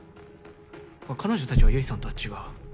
彼女たちは結衣さんとは違う。